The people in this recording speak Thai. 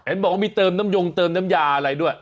บอกว่ามีเติมน้ำยงเติมน้ำยาอะไรด้วย